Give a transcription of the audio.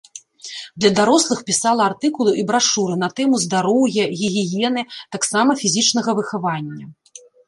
Для дарослых пісала артыкулы і брашуры на тэму здароўя, гігіены, таксама фізічнага выхавання.